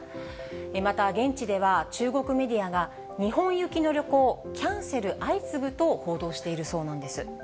また現地では、中国メディアが、日本行きの旅行キャンセル相次ぐと報道しているそうなんです。